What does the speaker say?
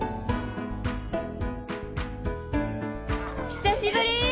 久しぶり！